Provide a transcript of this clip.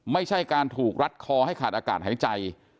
ไม่ใช่การถูกรัดคอให้ขาดอากาศหายใจ